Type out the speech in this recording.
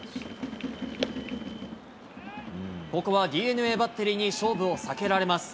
ここはＤｅＮＡバッテリーに勝負を避けられます。